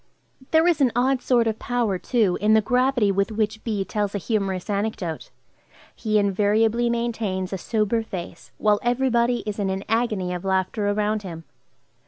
There is an odd sort of power, too, in the gravity with which B. tells a humorous anecdote. He invariably maintains a sober face while every body is in an agony of laughter around him.